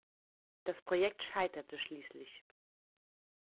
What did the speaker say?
Das Projekt scheiterte schließlich.